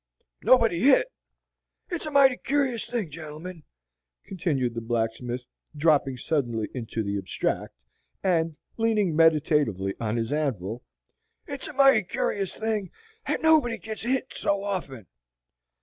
Nobody hit. It's a mighty cur'o's thing, gentlemen," continued the blacksmith, dropping suddenly into the abstract, and leaning meditatively on his anvil, "it's a mighty cur'o's thing that nobody gets hit so often.